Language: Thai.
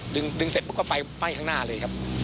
ดึงเสร็จปุ๊บก็ไฟไหม้ข้างหน้าเลยครับ